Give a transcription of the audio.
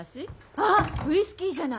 あっウイスキーじゃない！